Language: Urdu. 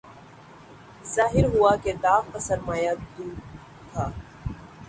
ظاہر ہوا کہ داغ کا سرمایہ دود تھا